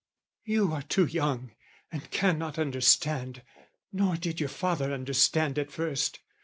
"You are too young and cannot understand, "Nor did your father understand at first.